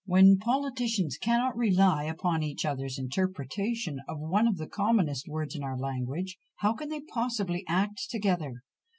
When politicians cannot rely upon each other's interpretation of one of the commonest words in our language, how can they possibly act together?